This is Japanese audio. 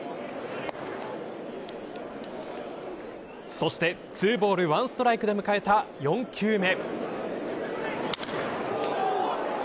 そして２ボール１ストライクで迎えた４球目。